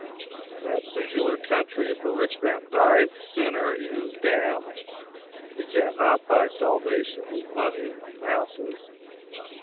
In that singular country if a rich man dies a sinner, he is damned; he can not buy salvation with money for masses.